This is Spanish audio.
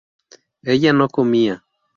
ella no comía